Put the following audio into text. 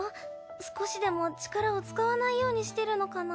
少しでも力を使わないようにしてるのかな？